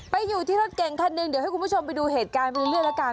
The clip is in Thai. ไปอยู่ที่รถเก่งคันหนึ่งเดี๋ยวให้คุณผู้ชมไปดูเหตุการณ์ไปเรื่อยแล้วกัน